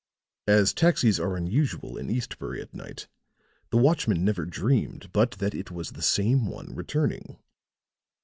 As taxis are unusual in Eastbury at night the watchman never dreamed but that it was the same one returning."